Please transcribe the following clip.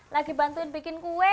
lagi bantuin bikin kue